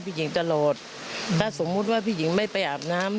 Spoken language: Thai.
พี่หญิงตลอดถ้าสมมุติว่าพี่หญิงไม่ไปอาบน้ำ